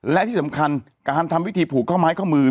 และที่สำคัญการทำวิธีผูกข้อไม้ข้อมือ